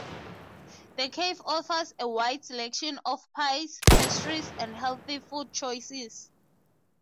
The cafe offers a wide selection of pies, pastries and healthy food choices.